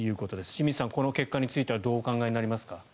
清水さん、この結果についてはどうお考えになりますか？